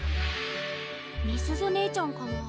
美鈴ねえちゃんかな？